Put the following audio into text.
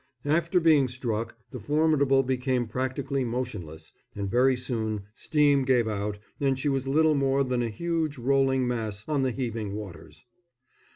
After being struck the Formidable became practically motionless, and very soon steam gave out and she was little more than a huge rolling mass on the heaving waters.